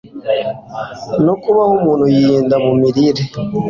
no kubaho umuntu yirinda mu mirire